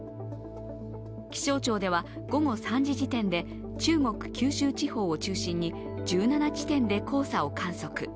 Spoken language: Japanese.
気象庁では午後３時点で中国九州地方を中心に１７地点で黄砂を観測。